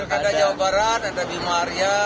ada jawa barat ada bima arya